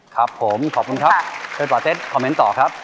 ครับผมขอบคุณครับเชิญปาเต็ดคอมเมนต์ต่อครับ